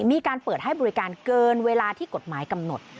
มีการเปิดให้บริการเกินเวลาที่กฎหมายกำหนด